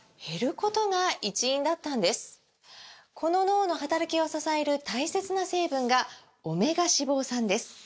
この脳の働きを支える大切な成分が「オメガ脂肪酸」です！